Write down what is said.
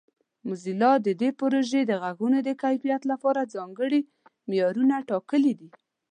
موزیلا د دې پروژې د غږونو د کیفیت لپاره ځانګړي معیارونه ټاکلي دي.